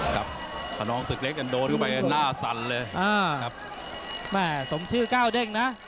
ครับขนองศึกเล็กโดนเข้าไปล่าสั่นเลยอ่าครับแม่สมชื่อก้าวเด้งนะ